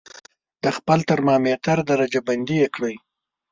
د خپل ترمامتر درجه بندي یې کړئ.